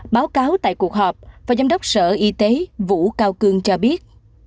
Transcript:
báo cáo tại cuộc họp và giám đốc sở y tế vũ cao cương cho biết